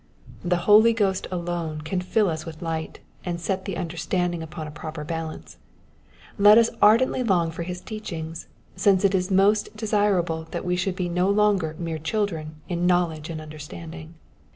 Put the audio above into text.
The Holy Ghost alone can fill us with light, and set the understanding upon a proper balance : let us ar dently long for his teachings, since it is most desirable that we should be no longer mere children in knowledge and understanding.